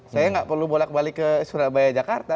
saya nggak perlu bolak balik ke surabaya jakarta